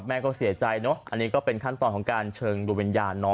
เม่ก็เซิทใจเนาะนี่ก็เป็นขั้นตอนการเชิงลูกเวียญญาน้อ